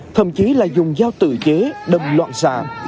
thậm chí là dùng dao tự chế đâm loạn xạ